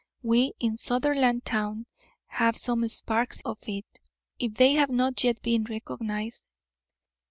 We in Sutherlandtown have some sparks of it, if they have not yet been recognised.